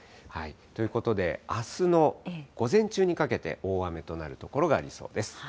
ということで、あすの午前中にかけて大雨となる所がありそうです。